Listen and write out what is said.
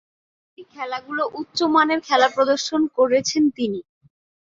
ঐ খেলাগুলো উচ্চমানের খেলা প্রদর্শন করেছেন তিনি।